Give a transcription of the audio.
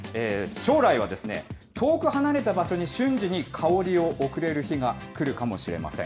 将来はですね、遠く離れた場所に瞬時に香りを送れる日が来るかもしれません。